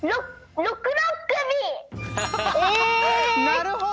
なるほど。